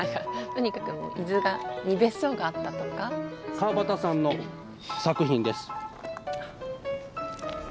川端さんの作品です。